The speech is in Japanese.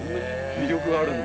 魅力があるんだ。